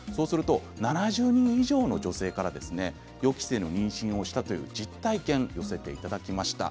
７０人以上の女性から予期せぬ妊娠をしたという実体験を寄せていただきました。